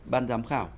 ban giám khảo